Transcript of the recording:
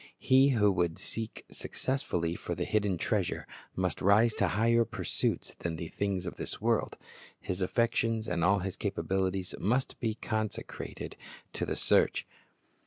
He who would seek successfully for the hidden treasure must rise to higher pursuits than the things of this world. His affections and all his capabilities must be consecrated to the search.